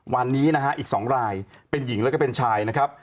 วันนี้นะฮะอีก๒รายเป็นหญิงแล้วก็เป็นชายนะครับ